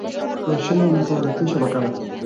روشن يوه مخابراتي شبکه ده.